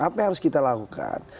apa yang harus kita lakukan